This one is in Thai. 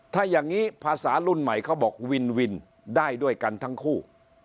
ถ้าอย่างนี้ภาษารุ่นใหม่เขาบอกวินวินได้ด้วยกันทั้งคู่